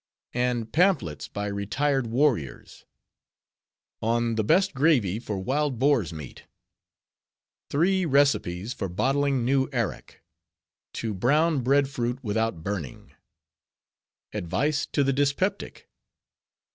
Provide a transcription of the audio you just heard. And pamphlets by retired warriors:— "On the Best Gravy for Wild Boar's Meat." "Three Receipts for Bottling New Arrack." "To Brown Bread Fruit without Burning." "Advice to the Dyspeptic."